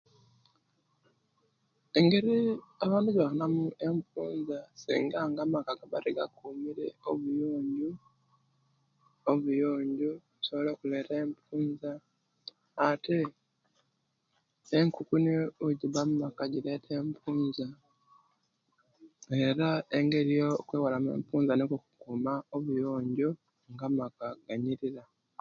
Engeri abantu eje'bafunamu enfunza singanga amaka gaba tegakumire obuyonjjo obuyonjjo kisobola okuleta enfunza ate enkukuni ewejiba omumaka gileta enfunza era engeri yokwaalamu enfunza okukuuma obuyonjjo nga amaka ganyirira.